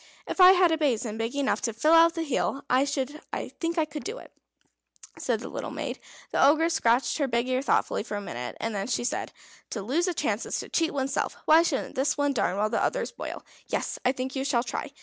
"If I had a basin big enough to fill out the heel, I think I could do it," said the little maid. The Ogress scratched her big ear thoughtfully for a minute, and then she said: "To lose a chance is to cheat oneself. Why shouldn't this one darn while the others boil? Yes, I think you shall try.